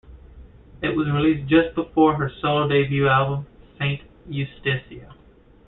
It was released just before her solo debut album, Saint Eustacia.